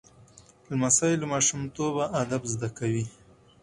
لمسی له ماشومتوبه ادب زده کوي.